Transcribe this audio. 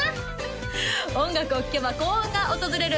音楽を聴けば幸運が訪れる